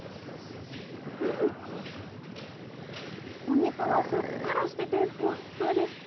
お肉がふっくらしていてふわふわです！